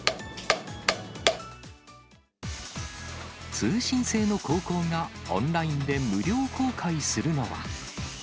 通信制の高校がオンラインで無料公開するのは。